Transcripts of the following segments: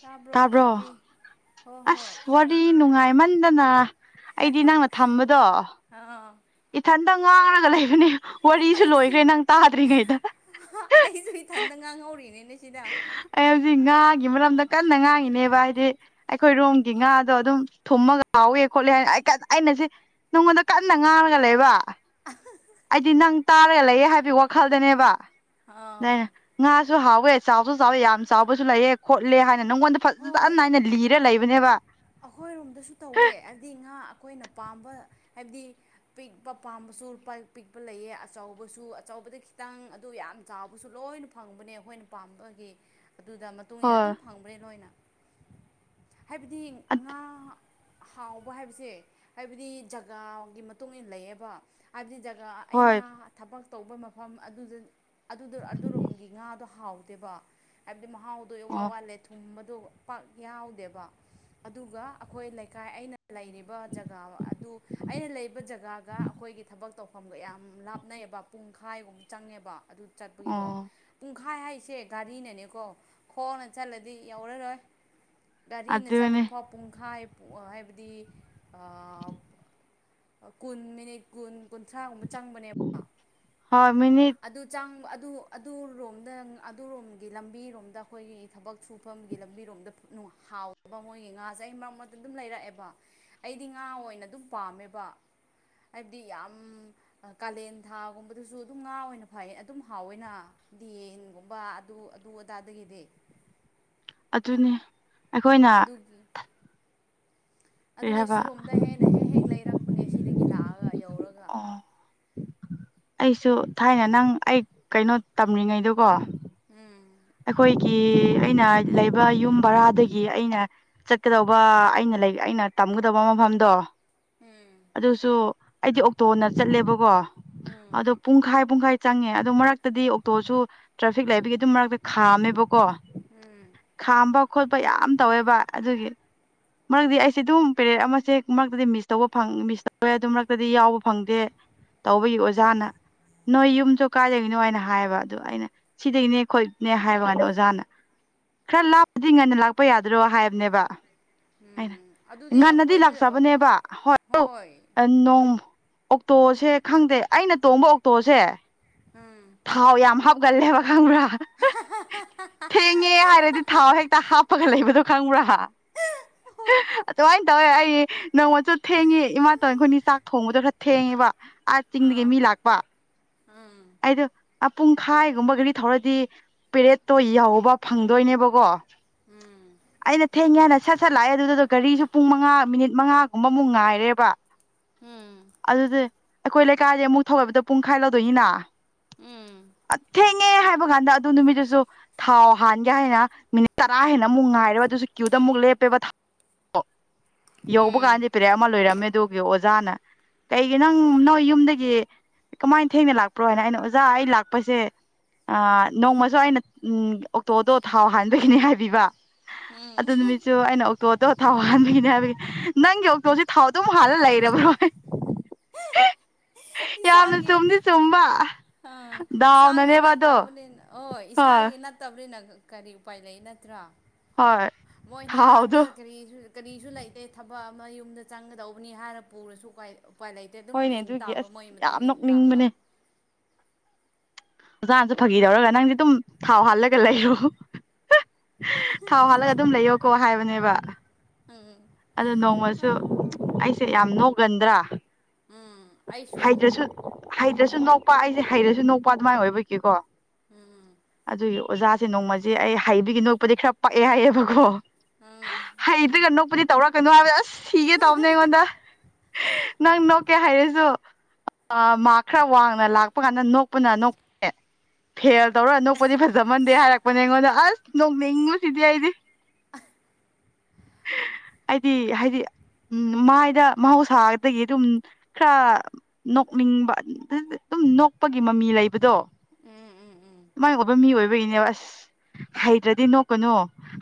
ꯇꯥꯕ꯭ꯔꯣ ꯂꯩꯁꯕꯤ ꯅꯪꯕꯨ ꯑꯥꯁ ꯋꯥꯔꯤ ꯅꯨꯡꯉꯥꯏꯃꯟꯗꯅ ꯑꯩꯗꯤ ꯅꯪꯅꯥ ꯊꯝꯕꯗꯣ ꯑꯥ ꯏꯊꯟꯇ ꯉꯥꯡꯉꯒ ꯂꯩꯕꯅꯦ ꯕꯥ ꯑꯩꯁꯨ ꯑꯩꯁꯨ ꯏꯊꯟꯇ ꯉꯥꯡꯍꯧꯔꯤꯅꯤꯅꯦ꯫꯫ ꯍꯥ ꯍꯥ ꯑꯩ ꯍꯧꯖꯤ ꯉꯥ ꯉꯥꯒꯤ ꯃꯔꯝꯗ ꯀꯟꯅ ꯉꯥꯉꯤꯅꯦꯕꯥ ꯍꯥꯏꯗꯤ ꯑꯩꯈꯣꯏ ꯔꯣꯝꯒꯤ ꯉꯥꯗꯣ ꯑꯗꯨꯝ ꯊꯨꯝꯃꯒ ꯍꯥꯎꯋꯦ ꯈꯣꯠꯂꯦ ꯍꯥꯏꯅ꯫ ꯑꯩꯅ ꯁꯤ ꯅꯉꯣꯟꯗ ꯀꯟꯅ ꯉꯥꯡꯔꯒ ꯂꯩꯕꯅꯤ ꯑꯩꯗꯤ ꯅꯪ ꯇꯥꯔꯦ ꯂꯩꯌꯦ ꯍꯥꯏꯕꯒꯤ ꯋꯥꯈꯜꯗꯥꯅꯦꯕꯥ꯫ ꯑꯥ ꯉꯥꯁꯨ ꯍꯥꯎꯋꯦ ꯆꯥꯎꯁꯨ ꯆꯥꯎꯋꯦ ꯌꯥꯝ ꯆꯥꯎꯕꯁꯨ ꯂꯩꯑꯦ ꯈꯣꯠꯂꯦ ꯍꯥꯏ ꯅꯪꯉꯣꯟꯗ ꯍꯣꯏ ꯐꯖꯅ ꯑꯩꯅ ꯂꯤꯔ ꯂꯩꯕꯅꯦꯕ ꯑꯩꯈꯣꯏꯔꯣꯝꯗꯁꯨ ꯇꯧꯋꯦ ꯍꯥꯏꯕꯗꯤ ꯉꯥ ꯑꯩꯈꯣꯏꯅ ꯄꯥꯝꯕ ꯍꯥꯏꯕꯗꯤ ꯄꯤꯛꯄ ꯄꯥꯝꯕꯁꯨ ꯄꯤꯛꯄ ꯂꯩꯌꯦ ꯑꯆꯧꯕꯁꯨ ꯑꯆꯕ ꯔꯩ ꯇꯧꯕꯗꯤ ꯈꯤꯇꯪ ꯑꯗꯨ ꯌꯥꯝ ꯆꯥꯎꯕꯁꯨ ꯂꯣꯏꯅ ꯐꯪꯕꯅꯦ ꯑꯩꯈꯣꯏꯅ ꯄꯥꯝꯕꯒꯩ ꯑꯗꯨꯒꯤ ꯃꯇꯨꯡ ꯏꯟꯅ ꯑꯗꯨꯝ ꯍꯣꯏ ꯐꯪꯕ꯭ꯔꯦ ꯂꯣꯏꯅ ꯍꯥꯏꯕꯗꯤ ꯉꯥ ꯍꯥꯎꯕꯥ ꯍꯥꯏꯕꯁꯦ ꯍꯥꯏꯕꯗꯤ ꯖꯒꯥꯒꯤ ꯃꯇꯨꯡ ꯏꯟꯔꯩꯕ ꯍꯥꯏꯕꯗꯤ ꯍꯣꯏ ꯑꯩꯅ ꯊꯕꯛꯀꯤ ꯇꯧꯕ ꯃꯐꯝ ꯑꯗꯨ ꯗꫭ ꯑꯗꯨꯔꯣꯝꯒꯤ ꯉꯥꯗꯣ ꯍꯥꯎꯇ°ꯕꯥ ꯍꯥꯏꯕꯗꯤ ꯍꯥꯏꯗꯤ ꯃꯍꯥꯎꯗꯣ ꯏꯋꯥꯠ ꯑꯣ ꯋꯥꯠꯂꯦ ꯊꯨꯝꯕꯗꯣ ꯄꯥꯛ ꯌꯥꯎꯗꯦꯕꯥꯥ ꯑꯗꯨꯒ ꯑꯩꯈꯣꯏ ꯂꯩꯀꯥꯏ ꯑꯩꯅ ꯂꯩꯔꯤꯕ ꯖꯒꯥ ꯑꯗꯨ ꯑꯩꯅ ꯂꯩꯔꯤꯕꯥ ꯖꯒꯥꯒ ꯑꯩꯈꯣꯏꯒꯤ ꯒꯤ ꯊꯕꯛ ꯇꯧꯐꯝꯒ ꯌꯥꯝ ꯂꯥꯞꯅꯩꯑꯩꯕ ꯄꯨꯡꯈꯥꯏꯒꯨꯝꯕ ꯆꯪꯉꯦꯕ ꯑꯗꯨ ꯆꯠꯄꯒꯤꯗꯣ ꯄꯨꯡ ꯑꯣ ꯄꯨꯡꯈꯥꯏ ꯍꯥꯏꯁꯦ ꯒꯥꯔꯤꯅꯅꯦꯀꯣ ꯈꯣꯡꯅ ꯆꯠꯂꯗꯤ ꯌꯧꯔꯔꯣꯏ ꯒꯥꯔꯤꯅ ꯑꯗꯨꯅꯦ ꯆꯠꯄꯗ ꯐꯥꯎ ꯄꯨꯡꯈꯥꯏ ꯍꯥꯏꯕꯗꯤ ꯀꯨꯟ ꯃꯤꯅꯤꯠ ꯀꯨꯟ ꯀꯨꯟꯊ꯭ꯔꯥꯒꯨꯝꯕ ꯆꯪꯕꯅꯦꯕꯥ꯫ ꯍꯣꯏ ꯃꯤꯅꯤꯠ ꯑꯗꯨꯒꯤ ꯆꯥꯡ ꯑꯗꯨ ꯑꯗꯨꯔꯣꯝꯗ ꯑꯗꯨꯔꯣꯝꯒꯤ ꯂꯝꯕꯤꯔꯣꯝꯗ ꯑꯩꯈꯣꯏꯒꯤ ꯊꯕꯛ ꯁꯨꯐꯝꯒꯤ ꯂꯝꯕꯤꯔꯣꯝꯗꯅꯤ ꯍꯥꯎꯕ ꯃꯣꯏꯒꯤ ꯉꯥꯁꯦ ꯑꯩ ꯃꯔꯛ ꯃꯔꯛꯇ ꯑꯗꯨꯝ ꯂꯩꯔꯛꯑꯦꯕ ꯑꯩꯗꯤ ꯉꯥ ꯑꯣꯏꯅ ꯑꯗꯨꯝ ꯄꯥꯝꯃꯦꯕꯥ꯫ ꯍꯥꯏꯕꯗꯤ ꯌꯥꯝ ꯀꯥꯂꯦꯟ ꯊꯥꯒꯨꯝꯕꯗꯁꯨꯀꫭ ꯑꯗꯨꯝ ꯉꯥ ꯑꯣꯏꯅ ꯐꯥꯏ ꯑꯗꯨꯝ ꯍꯥꯎꯋꯦꯅꯥ ꯌꯦꯟꯒꯨꯝꯕ ꯑꯗꯨ ꯑꯗꯨ ꯑꯗꯥꯗꯒꯤꯗꯤ꯫ [inaudible] ꯑꯗꯨꯅꯤ ꯑꯩꯈꯣꯏꯅꯥ ꯑꯗꯨꯒꯤ ꯊ ꯑꯗꯨꯒꯤ ꯁꯨꯔꯣꯝꯗ ꯍꯦꯟꯅ ꯍꯦꯛ ꯍꯦꯛ ꯂꯩꯔꯛꯄꯅꯦ ꯁꯤꯗꯒꯤ ꯂꯥꯛꯑꯒ ꯑꯩꯅ ꯌꯧꯔꯒ ꯑꯣ ꯑꯩꯁꯨ ꯊꯥꯏꯅ ꯅꯪ ꯑꯩ ꯀꯩꯅꯣ ꯇꯝꯔꯤꯉꯩꯗꯨꯀꯣ ꯎꯝ ꯑꯩꯈꯣꯏꯒꯤ ꯑꯩꯅ ꯂꯩꯕ ꯌꯨꯝ ꯕꯔꯥꯗꯒꯤ ꯑꯩꯅ ꯆꯠꯀꯗꯧꯕ ꯑꯩꯅ ꯂꯩ ꯑꯩꯅ ꯇꯝꯒꯗꯕ ꯃꯐꯝꯗꯣ ꯑꯗꯨꯁꯨ ꯑꯩꯗꯤ ꯑꯣꯛꯇꯣꯅ ꯆꯠꯂꯦꯕꯀꯣ ꯎꯝ ꯑꯗꯣ ꯄꯨꯡꯈꯥꯏ ꯄꯨꯡꯈꯥꯏ ꯆꯪꯉꯦ ꯑꯗꯣ ꯃꯔꯛꯇꯗꯤ ꯑꯣꯛꯇꯣꯁꯨ ꯇ꯭ꯔꯥꯐꯤꯛ ꯂꯩꯕꯒꯤ ꯑꯗꯨꯝ ꯃꯔꯛꯇ ꯈꯥꯝꯃꯦꯕꯀꯣ ꯈꯥꯝꯕ ꯈꯣꯠꯄ ꯌꯥꯝ ꯇꯧꯋꯦꯕ ꯑꯗꯨꯒꯤ ꯃꯔꯛꯇꯗꯤ [inaudible] ꯑꯩꯁꯦ ꯑꯗꯨꯝ ꯄꯦꯔꯠ ꯑꯃꯁꯦ ꯃꯔꯛꯇꯗꯤ ꯃꯤꯁ ꯇꯧꯕ ꯃꯤꯁ ꯇꯧ ꯑꯗꯨ ꯃꯔꯛꯇꯗꯤ ꯌꯥꯎꯕ ꯐꯪꯗꯦ ꯇꯧꯕꯒꯤ ꯑꯣꯖꯥꯅ ꯅꯣꯏ ꯌꯨꯝꯁꯨ ꯀꯥꯏꯗꯒꯤꯅꯣ ꯍꯥꯏꯅ ꯍꯥꯏꯕ ꯑꯗꯨ ꯑꯩꯅ ꯁꯤꯗꯒꯤꯅꯦ ꯈꯣꯏꯅꯦ ꯍꯥꯏꯕ ꯀꯥꯟꯗ ꯑꯣꯖꯥꯅ ꯈꯔ ꯂꯥꯞꯄꯗꯤ ꯉꯟꯅ ꯂꯥꯛꯄ ꯌꯥꯗ꯭ꯔꯣ ꯍꯥꯏꯕꯅꯦꯕ ꯍꯥꯏꯅ ꯎꯝ ꯑꯗꯨꯗꯤ ꯉꯟꯅꯗꯤ ꯑꯩꯈꯣꯏꯗ ꯂꯥꯛꯆꯕꯅꯦꯕ ꯍꯣꯏ ꯑꯣꯛꯇꯣꯁꯦ ꯈꯪꯗꯦ ꯑꯩꯅ ꯇꯣꯡꯕ ꯑꯣꯛꯇꯣꯁꯦ ꯊꯥꯎ ꯌꯥꯝꯞ ꯎꯒꯜꯂꯦꯕ ꯈꯪꯕ꯭ꯔꯥ ꯊꯦꯡꯉꯦ ꯍꯥꯏꯔꯗꯤ ꯊꯥꯎ ꯍꯦꯛꯇ ꯍꯥꯞꯄꯒ ꯂꯩꯕꯗꯣ ꯈꯪꯕ꯭ꯔꯍꯥ ꯍꯣꯏ ꯑꯗꯨꯃꯥꯏꯅ ꯇꯧꯋꯦ ꯑꯩ ꯅꯣꯡꯃ ꯊꯦꯡꯉꯦ ꯏꯃꯥ ꯇꯧꯅꯤ ꯑꯩꯈꯣꯏꯅꯤ ꯆꯥꯛ ꯊꯣꯡꯕꯗꯣ ꯈꯔ ꯊꯦꯡꯉꯦꯕ ꯑꯥ ꯆꯤꯡꯗꯒꯤ ꯃꯤ ꯂꯥꯛꯄ ꯑꯩꯗꯣ ꯄꯨꯡꯈꯥꯏꯒꯨꯝꯕ ꯒꯥꯔꯤ ꯊꯧꯔꯗꯤ ꯄꯦꯔꯦꯠꯇꯣ ꯌꯥꯎꯧꯕ ꯐꯪꯗꯣꯏꯅꯦꯕꯀꯣ ꯎꯝ ꯑꯩꯅ ꯊꯦꯡꯒꯦ ꯍꯥꯏꯥꯟꯅ ꯁꯠ ꯁꯠ ꯂꯥꯛꯑꯦ ꯑꯗꯨꯗꯨꯗ ꯒꯥꯔꯤꯁꯨ ꯄꯨꯡ ꯃꯉꯥ ꯃꯤꯅꯤꯠ ꯃꯉꯥꯒꯨꯝꯕꯃꯨꯛ ꯉꯥꯏꯔꯦꯕ [unintelligible] ꯑꯗꯨꯗꯤ ꯑꯩꯈꯣꯏ ꯂꯩꯀꯥꯏꯗꯤ ꯑꯃꯨꯛ ꯊꯧꯒꯕꯗ ꯄꯨꯡꯈꯥꯏ ꯂꯧꯗꯣꯏꯅꯤꯅ ꯎꯝ ꯑ ꯊꯦꯡꯉꯦ ꯍꯥꯏꯕ ꯀꯥꯟꯗ ꯑꯗꯨ ꯅꯨꯃꯤꯠꯇꯨꯁꯨ ꯊꯥꯎ ꯍꯥꯟꯒꯦ ꯍꯥꯏꯅ ꯃꯤꯅꯤꯠ ꯇꯔꯥ ꯍꯦꯟꯅ ꯑꯃꯨꯛ ꯉꯥꯏꯔꯦ ꯑꯗꯨꯁꯨ ꯀ꯭ꯌꯨꯗ ꯑꯃꯨꯛ ꯂꯦꯞꯄꯦꯕ ꯌꯧꯕ ꯀꯥꯟꯗ ꯄꯦꯔ ꯑꯃ ꯂꯣꯏꯔꯝꯃꯦ ꯑꯗꯨꯒꯤ ꯑꯣꯖꯥꯅ ꯀꯩꯒꯤ ꯅꯪ ꯅꯣꯏ ꯌꯨꯝꯗꯒꯤ ꯀꯃꯥꯏꯅ ꯊꯦꯡꯅ ꯂꯥꯛꯄ ꯄ꯭ꯔꯣꯅ ꯑꯩꯅ ꯑꯣꯖꯥ ꯑꯩ ꯂꯥꯛꯄꯁꯦ ꯑ ꯅꯣꯡꯃꯁꯨ ꯑꯩꯅ ꯑꯣꯛꯇꯣꯗꯣ ꯊꯥꯎ ꯍꯥꯟꯕꯥꯟꯕꯒꯤꯅꯤ ꯍꯥꯏꯕꯤꯕ ꯑꯗꯨ ꯅꯨꯃꯤꯠꯁꯨꯨ ꯑꯩꯅ ꯑꯣꯛꯇꯣꯗ ꯊꯥꯎ ꯍꯥꯟꯕꯒꯤꯅꯦ ꯍꯥꯏꯕꯒꯤ ꯅꯪꯒꯤ ꯑꯣꯛꯇꯣꯁꯦ ꯊꯥꯎ ꯗꯨꯝ ꯍꯥꯟꯂ ꯂꯩꯔꯕ꯭ꯔꯣ ꯍ [inaudible] ꯌꯥꯝꯅ ꯆꯨꯝꯅꯤ ꯆꯨꯝ ꯑ ꯏꯁꯥꯒꯤ ꯑꯗꯣ ꯅꯠꯇꯕꯅꯤꯅ ꯍ [unintelligible] ꯍꯣꯏ ꯏꯁꯥꯒꯤ ꯅꯠꯇꯕꯅꯤꯅ ꯀꯔꯤ ꯎꯄꯥꯏ ꯂꯩ ꯅꯠꯇ꯭ꯔꯥ ꯍꯣꯏ ꯃꯣꯏꯅ ꯊꯥꯎꯗꯣ ꯑꯥꯗ ꯀꯔꯤꯁꯨ ꯀꯔꯤꯁꯨ ꯂꯩꯇꯦ ꯊꯕꯛ ꯑꯃ ꯌꯨꯝꯗ ꯆꯪꯒꯗꯧꯕꯅꯤ ꯍꯥꯏꯔ ꯄꯨꯔꯁꯨ ꯀꯥꯏ ꯎꯄꯥꯏ ꯂꯩꯇꯦ ꯑꯗꯨꯝ ꯍꯣꯏꯅꯦ ꯏꯟ ꯑꯗꯨꯒꯤ ꯇꯥꯕ ꯑꯁ ꯃꯣꯏ ꯌꯥꯝ ꯃꯇꯨꯡ ꯏꯟ ꯇꯥꯕ ꯅꯣꯛꯅꯤꯡꯕꯅꯦ ꯑꯣꯖꯥꯅꯁꯨ ꯐꯥꯒꯤꯗꯧꯔꯒ ꯅꯪꯗꯤ ꯑꯗꯨꯝ ꯊꯥꯎ ꯍꯥꯜꯂꯒ ꯂꯩꯔꯣ ꯊꯥꯎ ꯍꯥꯜꯂꯒ ꯑꯗꯨꯝ ꯂꯩꯌꯣꯀꯣ ꯍꯥꯏꯕꯅꯦꯕ ꯑ ꯅꯣꯡꯃꯁꯨ ꯑꯥ ꯑꯩꯁꯦ ꯌꯥꯝ ꯅꯣꯛꯒꯟꯗ꯭ꯔꯥ ꯎꯝ ꯑꯩꯁꯨ ꯍꯩꯇ꯭ꯔꯁꯨ ꯍꯩꯇ꯭ꯔꯁꯨ ꯅꯣꯛꯄ ꯑꯩꯁꯦ ꯍꯩꯔꯁꯨ ꯅꯣꯛꯄ ꯑꯗꯨꯃꯥꯏꯅ ꯑꯣꯏꯕꯒꯤꯀꯣ ꯑꯗꯨꯒꯤ ꯑꯣꯖꯥꯁꯦ ꯅꯣꯡꯃꯁꯦ ꯑꯩ ꯍꯩꯕꯤꯒꯤ ꯅꯣꯛꯄꯗꯤ ꯈꯔ ꯄꯛꯑꯦ ꯍꯥꯏꯌꯦꯕꯀꯣ ꯍꯩꯗꯨꯒ ꯅꯣꯛꯄꯨꯗꯤ ꯇꯧꯔꯛꯀꯅꯨ ꯍꯥꯏꯕ ꯑꯁ ꯁꯤꯒꯦ ꯇꯧꯕꯅꯦ ꯑꯩꯉꯣꯟꯗ ꯅꯪ ꯅꯣꯛꯀꯦ ꯍꯥꯏꯔꯁꯤ ꯃꯥ ꯈꯔ ꯋꯥꯡꯅ ꯂꯥꯛꯄ ꯀꯥꯟꯗ ꯅꯣꯛꯄꯅ ꯅꯣꯛꯄꯦ ꯐꯦꯜ ꯇꯧꯔꯅꯣꯛꯄꯗꯤ ꯐꯖꯃꯟꯗꯦ ꯍꯥꯏꯔꯛꯄꯅꯦ ꯑꯩꯉꯣꯟꯗ ꯑꯁ ꯅꯣꯛꯅꯤꯡꯉꯨ ꯁꯤꯗꯤ ꯑꯩꯗꯤ ꯑ [inaudible] ꯍꯥꯏꯗꯤ ꯍꯥꯏꯗꯤ ꯎꯝ ꯃꯥꯏꯗ ꯃꯍꯧꯁꯥꯒꯗꯒꯤ ꯑꯗꯨꯝ ꯈꯔ ꯅꯣꯛꯅꯤꯡꯕ ꯑꯗꯨꯝ ꯅꯣꯛꯄꯒꯤ ꯃꯃꯤ ꯂꯩꯕꯗꯣ ꯎꯝ ꯎꯝ ꯎꯝ ꯃꯥꯏ [unintelligible] ꯃꯤ ꯑꯣꯏꯕꯒꯤꯅꯦꯕ ꯑꯁ ꯍꯩꯇ꯭ꯔꯗꯤ ꯅꯣꯛꯀꯅꯨ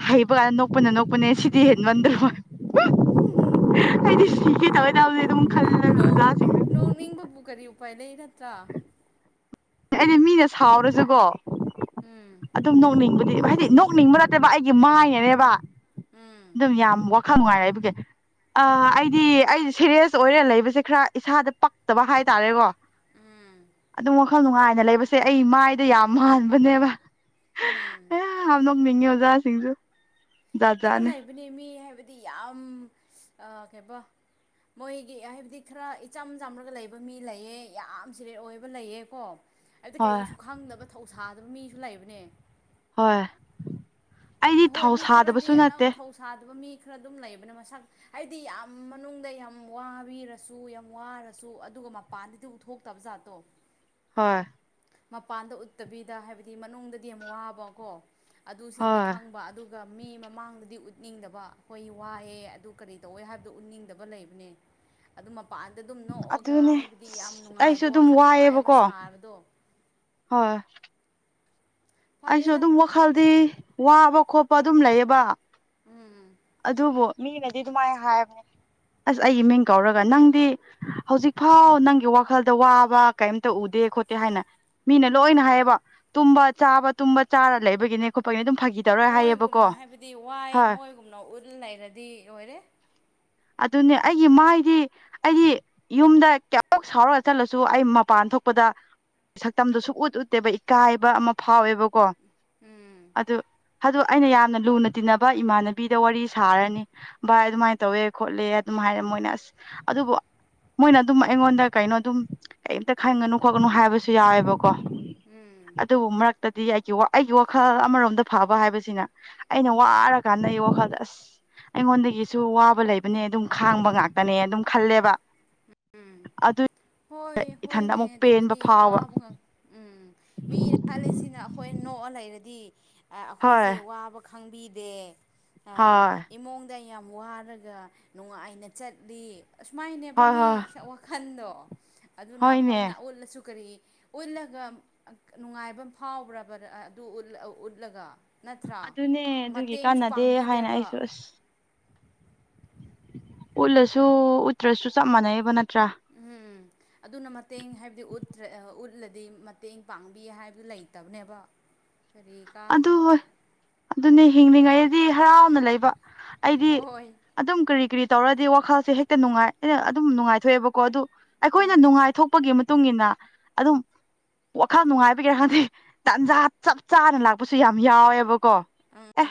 ꯍꯩꯕꯒꯥꯟ ꯅꯣꯛꯄꯅ ꯅꯣꯛꯄꯅꯦ ꯁꯤꯗꯤ ꯍꯦꯟ ꯉꯟꯗ꯭ꯔꯣ [inaudible] [unintelligible] ꯑꯩꯗꯤ ꯁꯤꯒꯦ [unintelligible] ꯅꯣꯛ ꯅꯤꯡꯕꯕꯨ ꯀꯔꯤ ꯎꯄꯥꯏ ꯂꯩ ꯅꯠꯇ꯭ꯔꯥ ꯑꯩꯗꯤ ꯃꯤꯅ ꯁꯥꯎꯔꯁꯨꯀꯣ ꯎꯝ ꯑꯗꯨꯝ ꯅꯣꯛꯅꯤꯡꯕ [unintelligible] ꯍꯥꯏꯗꯤ ꯅꯣꯛꯅꯤꯡꯕ ꯅꯠꯇꯦꯕ ꯑꯩꯒꯤ ꯃꯥꯏꯅꯅꯦꯕ ꯎꯝ ꯑꯗꯨꯝ ꯌꯥꯝ [unintelligible] ꯈꯔ ꯅꯨꯡꯉꯥꯏꯔꯦ ꯑꯗꯨꯒꯤ ꯑ ꯑꯩꯗꯤ ꯑꯩꯖꯦ [unintelligible] ꯁꯦꯔꯤꯌꯁ ꯑꯣꯏꯔ ꯂꯩꯕꯁꯦ ꯈꯔ ꯏꯁꯥꯗ ꯄꯛꯇꯕ ꯍꯥꯏ ꯇꯔꯦꯀꯣ ꯑꯗꯨꯝ [unintelligible] [unintelligible] ꯅꯨꯡꯉꯥꯏꯅ ꯂꯩꯕꯁꯦ ꯑꯩ ꯃꯥꯏꯗ ꯌꯥꯝ ꯃꯥꯟꯕꯅꯦꯕ ꯎꯝ ꯑꯦ ꯌꯥꯝ ꯅꯣꯛꯅꯤꯡꯉꯦ [unintelligible] [unintelligible] ꯁꯤꯡꯁꯨ ꯈꯔ ꯂꯩꯕꯅꯦ ꯃꯤ ꯍꯥꯏꯕꯗꯤ ꯌꯥꯝ ꯑ ꯀꯩꯕ ꯃꯣꯏꯒꯤ ꯍꯥꯏꯕꯗꯤ ꯈꯔ ꯏꯆꯝ ꯆꯝꯔꯒ ꯂꯩꯕ ꯃꯤ ꯂꯩꯌꯦ ꯌꯥꯝ ꯁꯤꯔꯦ ꯑꯣꯏꯕ ꯂꯩꯑꯦꯀꯣ ꯍꯥꯏꯕꯗꯤ ꯍꯣꯏ ꯀꯩꯁꯨ ꯈꯪꯗꯕ ꯊꯧꯁꯥꯗꯕ ꯃꯤꯁꯨ ꯂꯩꯕꯅꯦ ꯍꯣꯏ ꯑꯩꯗꯤ ꯑꯍꯣꯏ ꯊꯧ ꯃꯤ ꯈꯔꯗꯤ ꯁꯥꯗꯕꯁꯨ ꯑꯅꯧ ꯅꯠꯇꯦ ꯊꯧꯁꯥꯗꯕ ꯃꯤ ꯈꯔ ꯑꯗꯨꯝ ꯂꯩꯕꯅ ꯃꯁꯛ ꯍꯥꯏꯗꯤ ꯌꯥꯝ ꯃꯅꯨꯡꯗ ꯌꯥꯝ ꯋꯥꯕꯤꯔꯁꯨ ꯌꯥꯝ ꯋꯥꯔꯁꯨ ꯑꯗꯨꯝ ꯑꯗꯨꯒ ꯃꯄꯥꯟꯗꯗꯤ ꯎꯠꯊꯣꯛꯇꯕ ꯖꯥꯠꯇꯣ ꯍꯣꯏ ꯃꯄꯥꯟꯗ ꯎꯠꯇꯕꯤꯗ ꯍꯥꯏꯕꯗꯤ ꯃꯅꯨꯡꯗꯗꯤ ꯌꯥꯝ ꯋꯥꯕꯀꯣ ꯑꯗꯨꯁꯤꯡꯗꯣ ꯍꯣꯏ ꯈꯪꯕ ꯑꯗꯨ ꯑꯗꯨꯒ ꯃꯤ ꯃꯃꯥꯡꯗꯗꯤ ꯎꯠꯅꯤꯡꯗꯕ ꯑꯩꯈꯣꯏ ꯋꯥꯏꯑꯦ ꯑꯗꯨ ꯀꯔꯤ ꯇꯧꯋꯦ ꯍꯥꯏꯕꯗꯨꯣ ꯎꯠꯅꯤꯡꯗꯕ ꯂꯩꯕꯅꯦ ꯑꯗꯨ ꯃꯄꯥꯟꯗ ꯑꯗꯨꯝ ꯅꯣꯛꯑꯒ ꯑꯗꯨꯅꯦ ꯍꯥꯏꯕꯗꯤ ꯌꯥꯝ ꯑꯩꯁꯨ ꯅꯨꯡꯉꯥꯏꯕ ꯑꯗꯨꯝ ꯋꯥꯈꯜ ꯅꯨꯡꯉꯥꯏꯕ ꯋꯥꯏꯑꯦꯕꯀꯣ ꯁꯥꯕꯗꯣ ꯍꯣꯏ ꯑꯩꯁꯨ ꯐꯩꯌꯦꯗ ꯑꯗꯨꯝ ꯋꯥꯈꯜꯗꯤ ꯋꯥꯕ ꯈꯣꯠꯄ ꯑꯗꯨꯝ ꯂꯩꯌꯦꯕ ꯎꯝ ꯑꯗꯨꯕꯨ ꯃꯤꯅꯗꯤ ꯑꯗꯨꯃꯥꯏ ꯍꯥꯏꯕꯅꯦ ꯑꯁ ꯑꯩꯒꯤ ꯃꯤꯡ ꯀꯧꯔꯒ ꯅꯪꯗꯤ ꯍꯧꯖꯤꯛꯐꯥꯎ ꯅꯪꯒꯤ ꯋꯥꯈꯜꯗ ꯋꯥꯕ ꯀꯦꯝꯇ ꯎꯗꯦ [unintelligible] ꯈꯣꯠꯇꯦ ꯍꯥꯏꯅ ꯃꯤꯅ ꯂꯣꯏꯅ ꯍꯥꯏꯌꯦꯕ ꯇꯨꯝ ꯆꯥꯕ ꯇꯨꯝꯕ ꯆꯥꯔ ꯂꯩꯕꯒꯤꯅꯤ ꯈꯣꯠꯄꯒꯤꯅꯤ ꯑꯗꯨꯝ [unintelligible] ꯃꯣꯏꯒꯨꯝꯅ ꯍꯥꯏꯌꯦꯕꯀꯣ ꯍꯥꯏꯕꯗꯤ ꯋꯥꯌꯦꯅ ꯍꯣꯏ ꯃꯣꯏꯒꯨꯝꯅ ꯎꯠ ꯂꯩꯔꯗꯤ ꯂꯣꯏꯔꯦ ꯑꯗꯨꯅꯦ ꯑꯩꯒꯤ ꯃꯥꯏꯗꯤ ꯑꯩꯗꯤ ꯌꯨꯝꯗ ꯀꯌꯥꯝꯃꯨꯛ ꯁꯥꯎꯔ ꯆꯠꯂꯁꯨ ꯑꯩ ꯃꯄꯥꯟ ꯊꯣꯛ [unintelligible] ꯄꯗ ꯁꯛꯇꯝꯗꯨ ꯁꯨꯛ ꯎꯠ ꯎꯠꯇꯦꯕ ꯏꯀꯥꯏꯕ ꯑꯃ ꯐꯥꯎꯋꯦꯕꯀꯣ ꯎꯝ ꯑꯗꯨ ꯑꯗꯨ ꯑꯩꯅ ꯌꯥꯝꯅ ꯂꯨꯅ ꯇꯤꯟꯅꯕ ꯏꯃꯥꯟꯅꯕꯤꯗ ꯋꯥꯔꯤ ꯁꯥꯔꯅꯤ ꯚꯥꯏ ꯑꯗꯨꯃꯥꯏ ꯇꯧꯋꯦ ꯈꯣꯠꯂꯦ ꯑꯗꯨꯝ ꯍꯥꯏꯔꯦ ꯃꯣꯏꯅ ꯑꯁ ꯑꯗꯨꯕꯨ ꯃꯣꯏꯅ ꯑꯗꯨꯝ ꯑꯩꯉꯣꯟꯗ ꯀꯩꯅꯣ ꯑꯗꯨꯝ ꯀꯦꯝꯇ ꯈꯟꯒꯅꯨ ꯈꯣꯠꯀꯅꯨ ꯍꯥꯏꯕꯁꯨ ꯌꯥꯎꯋꯦꯕ ꯀꯣ ꯎꯝ ꯑꯗꯨꯕꯨ ꯃꯔꯛꯇꯗꯤ ꯑꯩ [unintelligible] ꯑꯩꯒꯤ ꯋꯥꯈꯜ ꯑꯃꯔꯣꯝꯗ ꯐꯥꯕ ꯍꯥꯏꯕꯁꯤꯅ ꯑꯩꯅ ꯋꯥꯔ ꯀꯥꯟꯗ ꯑꯩ ꯋꯥꯈꯜꯗ ꯑꯁ [unintelligible] ꯑꯩꯉꯣꯟꯗꯒꯤꯁꯨ ꯋꯥꯕ ꯂꯩꯕ [unintelligible] [unintelligible] ꯈꯥꯡꯕ ꯉꯥꯛꯇꯅꯦ ꯑꯗꯨꯝ ꯈꯜꯂꯦꯕ ꯑꯗꯨ [unintelligible] ꯍꯣꯏ ꯏꯊꯟꯗ ꯍꯣꯏꯅꯦ ꯑꯃꯨꯛ ꯄꯦꯟꯕ ꯑꯗꯨꯕꯨꯗꯤ ꯐꯥꯎꯕ ꯋꯥꯕ ꯉꯥꯛ ꯎꯝ ꯃꯤꯅ [unintelligible] ꯈꯜꯂꯤꯁꯤꯅ ꯑꯩꯈꯣꯏꯅ [unintelligible] ꯅꯣꯛꯑ ꯂꯩꯔꯗꯤ ꯍꯣꯏ ꯑꯩꯈꯣꯏꯁꯦ ꯋꯥꯕ ꯈꯪꯕꯤꯗꯦ ꯑ ꯍꯣꯏ ꯏꯃꯨꯡꯗ ꯌꯥꯝ ꯋꯥꯔꯒ ꯅꯨꯡꯉꯥꯏꯅ ꯆꯠꯂꯤ ꯑꯁꯨꯃꯥꯏꯅꯦꯕ ꯍꯣꯏ ꯍꯣꯏ ꯃꯤꯁꯦ ꯋꯥꯈꯜꯗꯣ ꯑꯗꯨꯅ ꯍꯣꯏ ꯍꯣꯏꯅꯦ ꯅꯥ ꯎꯠꯂꯁꯨ ꯀꯔꯤ ꯎꯠꯂꯒ [unintelligible] ꯅꯨꯡꯉꯥꯏꯕ ꯑꯃ ꯐꯥꯎꯕ꯭ꯔꯕ [unintelligible] ꯑꯗꯨ [unintelligible] ꯎꯠꯂꯒ ꯅꯠꯇ꯭ꯔꯥ ꯑꯗꯨꯅꯦ ꯑꯗꯨꯒꯤ ꯃꯇꯦꯡꯁꯨ ꯀꯥꯟꯅꯗꯦ ꯍꯥꯏꯅ ꯄꯥꯡꯕꯤꯗꯦꯕ ꯑꯩꯁꯨ ꯑꯁ ꯎꯠꯂꯁꯨ ꯎꯠꯇ꯭ꯔꯁꯨ ꯆꯞ ꯃꯥꯟꯅꯩꯕ ꯅꯠ [unintelligible] ꯎꯝ ꯎꯝ ꯑꯗꯨꯅ ꯃꯇꯦꯡ ꯍꯥꯏꯕꯗꯤ ꯎꯠꯇ꯭ꯔꯦ ꯎꯠꯂꯗꯤ [unintelligible] ꯑ [unintelligible] ꯃꯇꯦꯡ ꯄꯥꯡꯕꯤ ꯍꯥꯏꯕꯗꯨ ꯂꯩꯇꯕꯅꯦꯕ ꯀꯔꯤ ꯑꯗꯨ ꯀꯥꯟꯅꯕ ꯍꯣꯏ [unintelligible] ꯑꯗꯨꯅꯦ ꯍꯤꯡꯅꯤꯡꯉꯥꯏ ꯍꯔꯥꯎꯅ ꯂꯩꯕ ꯑꯩꯗꯤ ꯍꯣꯏ ꯑꯗꯨꯝ ꯀꯔꯤ ꯀꯔꯤ ꯇꯧꯔꯗꯤ ꯋꯥꯈꯜꯁꯦ ꯍꯦꯛꯇ ꯅꯨꯡꯉꯥꯏ ꯑꯩꯅ ꯑꯗꯨꯝ ꯅꯨꯡꯉꯥꯏꯊꯣꯛꯑꯦꯕꯀꯣ ꯑꯗꯨ ꯑꯩꯈꯣꯏꯅ ꯎꯝ ꯅꯨꯡꯉꯥꯏꯊꯣꯛꯄꯒꯤ ꯃꯇꯨꯡ ꯏꯟꯅ ꯑꯗꯨꯝ ꯋꯥꯈꯜ ꯅꯨꯡꯉꯥꯏꯕꯒꯤꯔ ꯈꯪꯗꯤ ꯇꯥꯟꯖꯥ ꯆꯞ ꯆꯥꯅ ꯂꯥꯛꯄ ꯄꯨꯁꯨ ꯌꯥꯝ ꯌꯥꯎꯋꯦꯕꯀꯣ ꯑꯦ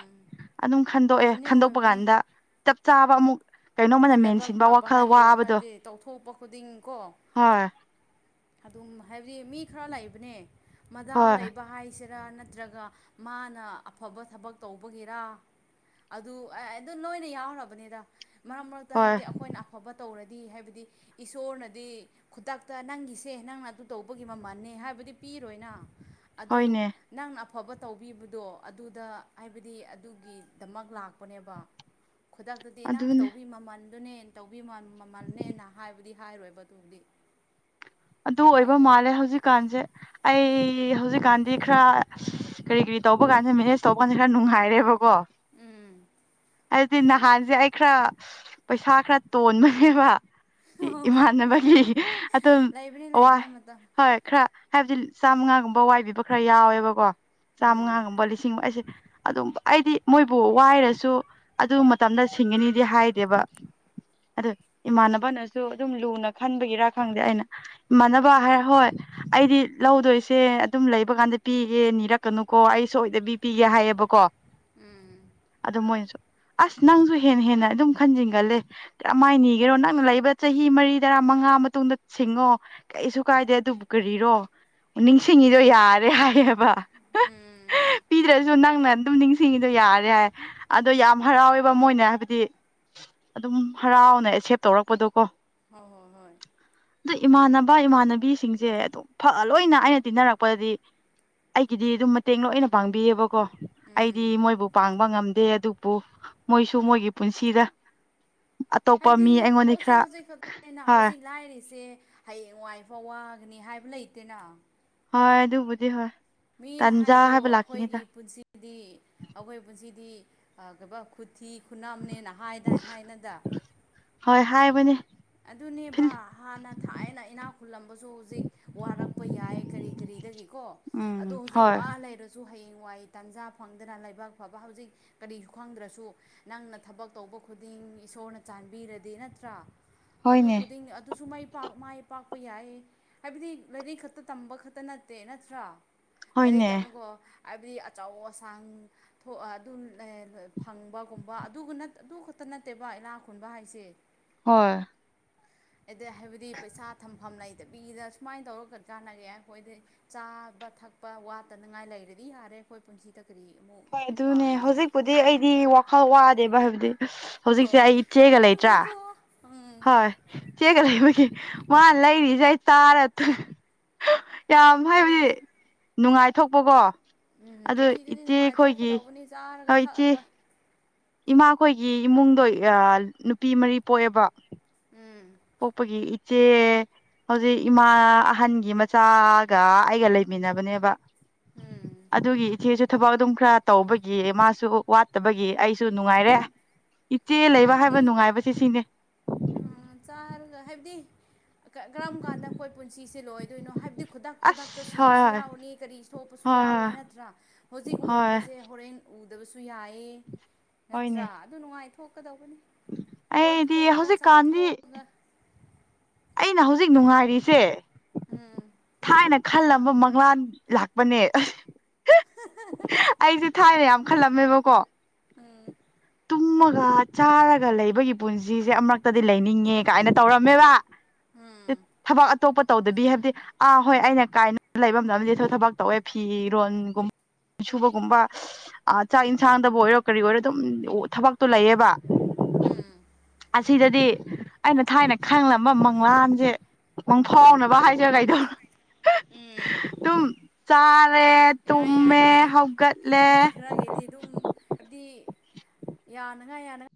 ꯑꯗꯨꯝ ꯈꯟꯗꯣꯛꯑꯦ ꯑꯣꯏꯕꯅꯤ ꯈꯟꯗꯣꯛꯄ ꯑꯣꯏꯕꯅꯤ ꯀꯥꯟꯗ ꯆꯞ ꯆꯥꯕ ꯑꯃꯨꯛ ꯀꯩꯅꯣꯝꯃꯅ ꯂꯥꯏꯕꯛ ꯃꯦꯟꯁꯤꯟꯕ ꯐꯕ ꯋꯥꯈꯜ ꯍꯥꯏꯕꯗꯣ ꯋꯥꯕꯗꯣ ꯍꯥꯏꯕꯗꯤ ꯇꯧꯊꯣꯛꯄ ꯈꯨꯗꯤꯡꯀꯣ ꯍꯣꯏ ꯑꯗꯨꯝ ꯍꯥꯏꯕꯗꯤ ꯃꯤ ꯈꯔ ꯂꯩꯕꯅꯦ ꯃꯗꯥꯎ ꯍꯣꯏ ꯂꯩꯕ ꯍꯥꯏꯁꯦꯅ ꯔ ꯅꯠꯇ꯭ꯔꯒ ꯃꯥꯅ ꯑꯐꯕ ꯊꯕꯛ ꯇꯧꯕꯒꯤꯔ ꯑꯗꯨ ꯑꯗꯨ ꯅꯣꯏꯅ ꯌꯥꯎꯔꯕꯅꯤꯗ ꯃꯔꯛ ꯃꯔꯛꯇ ꯍꯣꯏ ꯍꯥꯏꯕꯗꯤ ꯑꯩꯈꯣꯏꯅ ꯑꯐꯕ ꯇꯧꯔꯗꯤ ꯍꯥꯏꯕꯗꯤ ꯏꯁꯣꯔꯅꯗꯤ ꯈꯨꯗꯛꯇ ꯅꯪꯒꯤꯁ ꯁꯦ ꯅꯪꯅ ꯑꯗꯨ ꯇꯧꯕꯒꯤ ꯃꯃꯜꯅꯦ ꯍꯥꯏꯕꯗꯤ ꯄꯤꯔꯣꯏꯅ ꯑꯗꯨ ꯍꯣꯏꯅꯦ ꯅꯪꯅ ꯑꯐꯕ ꯇꯧꯕꯤꯕꯗꯣ ꯑꯗꯨꯗ ꯍꯥꯏꯕꯗꯤ ꯑꯗꯨꯒꯤꯗꯃꯛ ꯂꯥꯛꯄꯅꯦꯕ ꯈꯨꯗꯛꯇꯗꯤ ꯅꯪꯅ ꯑꯗꯨꯅꯦ ꯇꯧꯕꯤ ꯃꯃꯜꯗꯨꯅꯦ ꯇꯧꯕꯤ ꯃꯃꯜꯅꯦꯅ ꯍꯥꯏꯕꯗꯤ ꯍꯥꯏꯔꯣꯏꯕꯗꯨꯗꯤ ꯑꯗꯨ ꯑꯣꯏꯕ ꯃꯥꯜꯂꯦ ꯍꯧꯖꯤꯛꯀꯥꯟꯁꯦ ꯑꯩ ꯍꯧꯖꯤꯛꯀꯥꯟꯗꯤ ꯈꯔ ꯀꯔꯤ ꯀꯔꯤ ꯇꯧꯕ ꯀꯥꯟꯗ ꯃꯦꯅꯦꯖ ꯇꯧꯕ ꯀꯥꯟꯗ ꯈꯔ ꯅꯨꯡꯉꯥꯏꯔꯦꯕꯀꯣ ꯎꯝ ꯑꯗꯨꯗꯤ ꯅꯍꯥꯟꯁꯦ ꯑꯩ ꯈꯔ ꯄꯩꯁꯥ ꯈꯔ ꯇꯣꯟꯕꯅꯦꯕ ꯏꯃꯥꯟꯅꯕꯒꯤ ꯑꯗꯨꯝ ꯂꯩꯕꯅꯤ ꯋꯥꯏ ꯂꯩꯕꯅꯤ ꯃꯇꯝ ꯍꯣꯏ ꯈꯔ ꯈꯔ ꯍꯥꯏꯕꯗꯤ ꯆꯥꯝꯃꯉꯥꯒꯨꯝꯕ ꯋꯥꯏꯕꯤꯕ ꯈꯔ ꯌꯥꯎꯋꯦꯕꯀꯣ ꯎꯝ ꯆꯥꯝꯃꯉꯥꯒꯨꯝꯕ ꯂꯤꯁꯤꯡ ꯑꯩꯁꯦ ꯑꯗꯨꯝꯕ ꯑꯩꯗꯤ ꯃꯣꯏꯕꯨ ꯋꯥꯏꯔꯁꯨ ꯑꯗꯨ ꯃꯇꯝꯗ ꯁꯤꯡꯒꯅꯤꯗꯤ ꯍꯥꯏꯗꯦꯕ ꯑꯗ ꯏꯃꯥꯟꯅꯕꯅꯁꯨ ꯑꯗꯨꯝ ꯂꯨꯅ ꯈꯟꯕꯒꯤꯔꯥ ꯈꯪꯗꯦ ꯑꯩꯅ ꯏꯃꯥꯟꯅꯕ ꯍꯥꯏꯔ ꯍꯣꯏ ꯑꯩꯗꯤ ꯂꯧꯗꯣꯏꯁꯦ ꯑꯗꯨꯝ ꯂꯩꯕ ꯀꯥꯟꯗ ꯄꯤꯒꯦ ꯅꯤꯔꯛꯀꯅꯨ ꯀꯣ ꯑꯩ ꯁꯣꯏꯗꯕꯤ ꯄꯤꯒꯦ ꯍꯥꯏꯌꯦꯕꯀꯣ ꯎꯝ ꯑꯗꯨ ꯃꯣꯏꯅꯁꯨ ꯑꯁ ꯅꯪꯁꯨ ꯍꯦꯟꯅ ꯍꯦꯟꯅ ꯑꯗꯨꯝ ꯈꯟꯖꯤꯟꯒꯜꯂꯦ ꯀꯔꯝꯃꯥꯏ ꯅꯤꯒꯦꯔꯣ ꯅꯪꯅ ꯂꯩꯕ ꯆꯍꯤ ꯃꯔꯤ ꯇꯔꯥ ꯃꯉꯥ ꯉꯥ ꯃꯇꯨꯡꯗ ꯁꯤꯡꯉꯣ ꯀꯩꯁꯨ ꯀꯥꯏꯗꯦ ꯑꯗꯨꯕꯨ ꯀꯔꯤꯔꯣ ꯅꯤꯡꯁꯤꯡꯉꯤꯗꯣ ꯌꯥꯔꯦ ꯍꯥꯏꯌꯦꯕ ꯎꯝ ꯄꯤꯗ꯭ꯔꯁꯨ ꯅꯪꯅ ꯑꯗꯨꯝ ꯅꯤꯡꯁꯤꯡꯉꯤꯗꯣ ꯌꯥꯔꯦ ꯍꯥꯏ ꯑꯗꯣ ꯌꯥꯝ ꯍꯔꯥꯎꯋꯦꯕ ꯃꯣꯏꯅ ꯍꯥꯏꯕꯗꯤ ꯑꯗꯨꯝ ꯍꯔꯥꯎꯅ ꯑꯦꯁꯦꯞ ꯇꯧꯔꯛꯄꯗꯣ ꯀꯣ ꯍꯣꯏ ꯍꯣꯏ ꯍꯣꯏ ꯑꯗꯨ ꯏꯃꯥꯟꯅꯕ ꯏꯃꯥꯟꯅꯕꯤꯁꯤꯡꯁꯦ ꯑꯗꯨꯝ ꯐ ꯂꯣꯏꯅ ꯑꯩꯅ ꯇꯤꯟꯅꯔꯛꯄꯗꯗꯤ ꯑꯩꯒꯤꯗꯤ ꯑꯗꯨꯝ ꯃꯇꯦꯡ ꯂꯣꯏꯅ ꯄꯥꯡꯕꯤꯌꯦꯕꯀꯣ ꯑꯩꯗꯤ ꯎꯝ ꯃꯣꯏꯕꯨ ꯄꯥꯡꯕ ꯉꯝꯗꯦ ꯑꯗꯨꯕꯨ ꯃꯣꯏꯁꯨ ꯃꯣꯏꯒꯤ ꯄꯨꯟꯁꯤꯗ ꯑꯇꯣꯞꯄ ꯍꯥꯏꯕꯗꯤ ꯃꯤ ꯑꯩꯉꯣꯟꯗ ꯍꯧꯖꯤꯛ ꯈꯔ ꯍꯧꯖꯤꯛ ꯈꯅ ꯍꯣꯏ ꯍꯧꯖꯤꯛ ꯂꯥꯏꯔꯤꯁꯦ ꯍꯌꯦꯡꯋꯥꯏ ꯐꯥꯎ ꯋꯥꯒꯅꯤ ꯍꯥꯏꯕ ꯂꯩꯇꯦꯅ ꯍꯣꯏ ꯑꯗꯨꯕꯨꯗꯤ ꯍꯣꯏ ꯃꯤꯅ ꯇꯥꯟꯖꯥ ꯍꯥꯏꯗꯣ ꯍꯥꯏꯕ ꯑꯩꯈꯣꯏꯒꯤ ꯂꯥꯛꯈꯤꯅꯤꯗ ꯄꯨꯟꯁꯤꯗꯤ ꯑꯩꯈꯣꯏ ꯄꯨꯟꯁꯤꯗꯤ ꯀꯩ ꯈꯨꯊꯤ ꯈꯨꯅꯝꯅꯦꯅ ꯍꯥꯏꯅꯏ ꯍꯥꯏꯅꯗ ꯍꯣꯏ ꯍꯥꯏꯕꯅꯦ ꯑꯗꯨꯅꯦꯕ ꯍꯥꯟꯅ ꯊꯥꯏꯅ ꯏꯅꯥꯛ ꯈꯨꯜꯂꯝꯕꯁꯨ ꯍꯧꯖꯤꯛ ꯋꯥꯔꯛꯄ ꯌꯥꯏ ꯀꯔꯤ ꯀꯔꯤ ꯗꯒꯤꯀꯣ ꯑꯗꯣ ꯎꯝ ꯍꯧꯖꯤꯛ ꯍꯣꯏ ꯋꯥ ꯂꯩꯔꯁꯨ ꯍꯌꯦꯡꯋꯥꯏ ꯇꯥꯟꯖꯥ ꯐꯪꯗꯅ ꯂꯩꯥꯏꯕꯛ ꯐꯕ ꯍꯧꯖꯤꯛ ꯀꯔꯤꯁꯨ ꯈꯪꯗ꯭ꯔꯁꯨ ꯅꯪꯅ ꯊꯕꯛ ꯇꯧꯕ ꯈꯨꯗꯤꯡ ꯏꯁꯣꯔꯅ ꯆꯥꯟꯕꯤꯔꯗꯤ ꯅꯠꯇ꯭ꯔꯥ ꯑꯗꯨ ꯍꯣꯏꯅꯦ ꯈꯨꯗꯤꯡ ꯑꯗꯨꯁꯨ ꯃꯥꯏ ꯥ ꯃꯥꯏ ꯄꯥꯛꯄ ꯌꯥꯏ ꯍꯥꯏꯕꯗꯤ ꯂꯥꯏꯔꯤꯛ ꯈꯛꯇ ꯇꯝꯕ ꯈꯛꯇ ꯅꯠꯇꯦ ꯅꯠꯇ꯭ꯔꯥ ꯂꯥꯢꯔꯤ ꯍꯣꯏꯅꯦ ꯇꯝꯅꯀꯣ ꯍꯥꯏꯕꯗꯤ ꯑꯆꯧ ꯑꯁꯥꯡ ꯊꯣꯛ ꯑꯗꯨ ꯐꯪꯕꯒꯨꯝꯕ ꯑꯗꯨꯒꯅ ꯑꯗꯨ ꯈꯛꯇ ꯅꯠꯇꯦꯕ ꯏꯅꯥꯥ ꯈꯨꯟꯕ ꯍꯥꯏꯁꯦ ꯍꯣꯏ ꯑꯗꯩ ꯍꯥꯏꯕꯗꯤ ꯄꯩꯁꯥ ꯊꯝꯐꯝ ꯂꯩꯇꯕꯤꯗ ꯁꯨꯃꯥꯏꯅ ꯇꯧꯔꯒ ꯆꯥꯟꯅꯒꯦ ꯑꯩꯈꯣꯏꯗꯤ ꯆꯥ ꯆꯕ ꯊꯛꯄ ꯋꯥꯠꯇꯅꯉꯥꯏ ꯂꯩꯔꯗꯤ ꯌꯥꯔꯦ ꯑꯩꯈꯣꯏ ꯄꯨꯟꯁꯤꯗ ꯀꯔꯤ ꯑꯃꯨꯛ ꯍꯣꯏ ꯑꯗꯨꯅꯦ ꯄꯥꯝꯒꯦ ꯍꯧꯖꯤꯛꯄꯨꯗꯤ ꯑꯩꯗꯤ ꯋꯥꯈꯜ ꯋꯥꯗꯦꯕ ꯍꯥꯏꯕ ꯍꯧꯖꯤꯛꯁꯦ ꯍꯣꯏ ꯑꯩ ꯏꯆꯦꯒ ꯍꯣꯏ ꯂꯩꯇ꯭ꯔꯥ ꯅꯨꯡꯉꯥꯏꯊꯣꯛꯑꯣ ꯎꯝ ꯍꯣꯏ ꯌꯥꯝ ꯍꯥꯏꯕꯗꯤ ꯑꯗꯨ ꯏꯆꯦ ꯈꯣꯏꯒꯤ ꯍꯣꯏ ꯏꯆꯦ ꯑꯟꯑꯣꯗꯤꯕꯜ ꯏꯃꯥꯈꯣꯏꯒꯤ ꯏꯃꯨꯡꯗꯣ ꯑ ꯅꯨꯄꯤ ꯃꯔꯤ ꯄꯣꯛꯑꯦꯕ ꯎꯝ ꯑꯣ ꯍꯧꯖꯤꯛ ꯎꯝ ꯑꯗꯨꯒꯤ ꯏꯆꯦꯁꯨ ꯊꯕꯛ ꯑꯗꯨꯝ ꯈꯔ ꯇꯧꯕꯒꯤ ꯃꯥꯁꯨ ꯋꯥꯠꯇꯕꯒꯤ ꯑꯩꯁꯨ ꯅꯨꯡꯉꯥꯏꯔꯦ ꯏꯆꯦ ꯂꯩꯕ ꯍꯥꯏꯕ ꯍꯥꯏꯕꯗꯤ ꯆꯥꯔꯒ ꯍꯥꯏꯕꯗꯤ ꯀ ꯑ ꯀꯔꯝ ꯀꯥꯟꯗ ꯑꯩꯈꯣꯏ ꯄꯨꯟꯁꯤꯁꯤ ꯑꯁ ꯍꯣꯏ ꯍꯣꯏ ꯍꯣꯏ ꯍꯣꯏ ꯆꯥꯎꯏ ꯅꯠꯇ꯭ꯔꯥ ꯍꯧꯖꯤꯛ ꯍꯣꯏ ꯎꯔꯝꯕꯁꯦ ꯍꯣꯔꯦꯟ ꯎꯗꯕꯁꯨ ꯌꯥꯏꯌꯦ ꯍꯣꯏꯅꯦ ꯅꯠꯇ꯭ꯔꯥ ꯑꯗꯨ ꯅꯨꯡꯉꯥꯏꯇ ꯀꯗꯧꯕꯅꯤ ꯑꯩꯗꯤ ꯀꯣꯏꯊꯣꯛꯑꯒ ꯍꯧꯖꯤꯛꯀꯥꯟꯗꯤ ꯆꯥꯊꯣꯛꯑꯒ ꯑꯩꯅ ꯍꯧꯖꯤꯛ ꯅꯨꯡꯉꯥꯏꯔꯤꯁꯦ ꯎꯝ ꯊꯥꯏꯅ ꯈꯜꯂꯝꯕ ꯃꯪꯂꯥꯟ ꯂꯥꯛꯄꯅꯦ ꯑꯩꯁꯦ ꯊꯥꯏꯅ ꯌꯥꯝ ꯈꯜꯂꯝꯃꯦꯕꯀꯣ ꯇꯨꯝꯃꯒ ꯆꯥꯔꯒ ꯂꯩꯕꯒꯤ ꯄꯨꯟꯁꯤꯁꯦ ꯑꯃꯨꯔꯛꯇꯗꯤ ꯂꯩꯅꯤꯡꯉꯦ ꯒꯥꯏꯅ ꯑꯟꯏꯟꯇꯦꯜꯂꯤꯖꯦꯕꯜ ꯇꯧꯗꯕꯤ ꯍꯥꯏꯕꯗꯤ ꯑꯥ ꯍꯣꯏ ꯑꯩꯅ ꯀꯥꯏꯅ ꯂꯩꯐꯝꯗ ꯑꯃꯗꯤꯗꯤ ꯊꯕꯛ ꯇꯧꯋꯦ ꯐꯤꯔꯣꯟꯒꯨꯝꯕ ꯁꯨꯕꯒꯨꯝꯕ ꯆꯥꯛ ꯌꯦꯟꯁꯥꯡꯗꯕꯨ ꯑꯣꯏꯔꯣ ꯀꯔꯤ ꯑꯣꯏꯔꯣ ꯑꯗꯨꯝ ꯊꯕꯛꯇꯣ ꯂꯩꯌꯦꯕ ꯎꯝ ꯁꯤꯗꯗꯤ ꯑꯩꯅ ꯊꯥꯏꯅ ꯈꯪꯂꯝꯕ ꯃꯪꯂꯥꯟꯁꯦ ꯃꯪꯐꯥꯎꯅꯕ ꯍꯥꯏꯁꯤꯔꯥ ꯎꯝ ꯌꯥꯏ ꯌꯥꯏ ꯐꯩ ꯌꯥꯅꯉꯥꯏ ꯌꯥꯅ